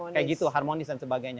kayak gitu harmonis dan sebagainya